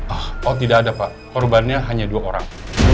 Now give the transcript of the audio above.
ah oh tidak ada pak korbannya hanya dua orang